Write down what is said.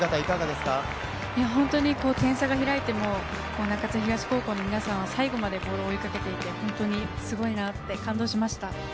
点差が開いても中津東高校の皆さんは最後までボール追いかけていてホントにすごいなって感動しました。